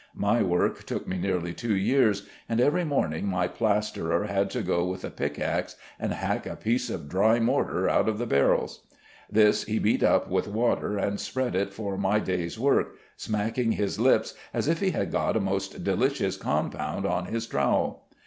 My work took me nearly two years, and every morning my plasterer had to go with a pick axe and hack a piece of dry mortar out of the barrels. This he beat up with water and spread it for my day's work, smacking his lips as if he had got a most delicious compound on his trowel.